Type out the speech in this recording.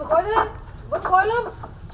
mày đốt cái gì mà khói lắm